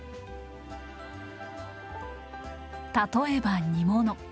例えば煮物。